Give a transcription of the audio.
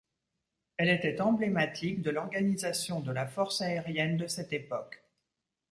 Elle était emblématique de l'organisation de la force aérienne de cette époque.